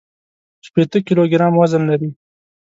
شپېته کيلوګرامه وزن لري.